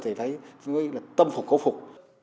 thì phải tâm phục cấu phục